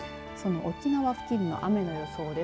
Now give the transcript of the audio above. その沖縄付近の雨の予想です。